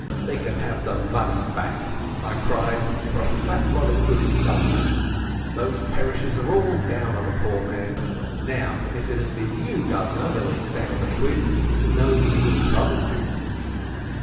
"They can have the money back," I cried, "for a fat lot of good it's done me. Those perishers are all down on a poor man. Now, if it had been you, guv'nor, that had found the quids, nobody would have troubled you."